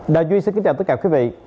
đào duy xin kính chào tất cả quý vị